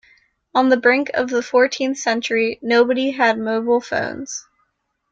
On the brink of the fourteenth century, nobody had mobile phones.